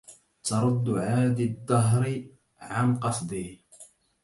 تَردُّ عادي الدهرِ عن قَصدِه